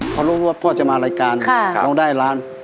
พอรู้ว่าพ่อจะมารายการร้องได้ล้าน